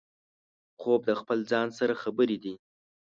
خوب د خپل ځان سره خبرې دي